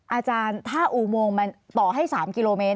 อาจารย์ถ้าอุโมงมันต่อให้๓กิโลเมตร